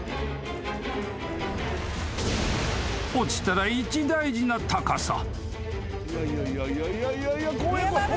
［落ちたら一大事な高さ］